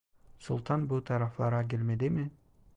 Sultan bu taraflara gelmedi mi?